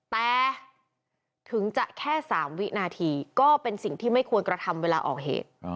แต่ถึงจะแค่๓วินาทีก็เป็นสิ่งที่ไม่ควรกระทำเวลาออกเหตุ